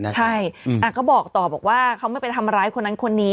ใช่ก็บอกต่อบอกว่าเขาไม่ไปทำร้ายคนนั้นคนนี้